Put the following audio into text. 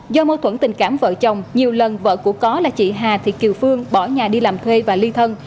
do mâu thuẫn tình cảm vợ chồng nhiều lần vợ của có là chị hà thị kiều phương bỏ nhà đi làm thuê và ly thân